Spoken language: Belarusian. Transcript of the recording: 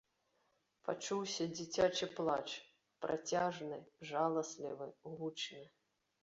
Пачуўся дзіцячы плач, працяжны, жаласлівы, гучны.